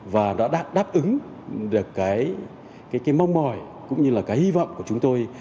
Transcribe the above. và đã đáp ứng được cái mong mỏi cũng như là cái hy vọng của chúng tôi